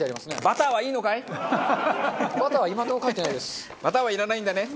バターはいらないんだね？